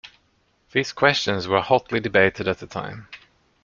These questions were hotly debated at the time.